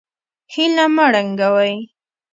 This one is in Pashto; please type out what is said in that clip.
هیله مه ړنګوئ